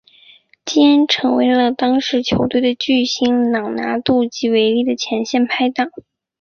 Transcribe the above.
基恩成为了当时球队的巨星朗拿度及韦利的前线拍挡。